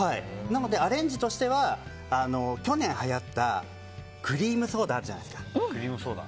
アレンジとしては去年はやったクリームソーダがあるじゃないですか。